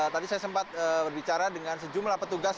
tadi saya sempat berbicara dengan sejumlah petugas